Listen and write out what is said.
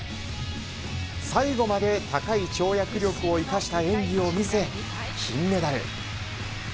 最後まで、高い跳躍力を生かした演技を見せ金メダル。